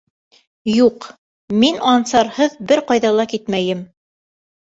Юҡ, мин Ансарһыҙ бер ҡайҙа ла китмәйем.